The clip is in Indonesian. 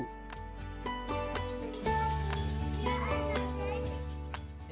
bagaimana cara mengurangi keberhasilan bisnis